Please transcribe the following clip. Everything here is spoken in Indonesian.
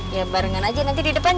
ya bareng saja nanti ada di depan